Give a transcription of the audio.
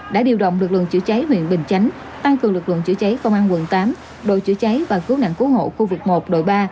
đã điều động lực lượng chữa cháy huyện bình chánh tăng cường lực lượng chữa cháy công an quận tám đội chữa cháy và cứu nạn cứu hộ khu vực một đội ba